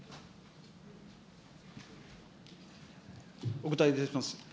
お答えいたします。